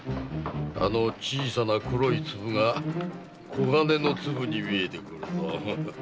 あの小さな黒い粒が黄金の粒に見えてくるぞ。